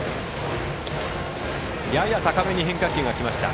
やや高めに変化球がきました。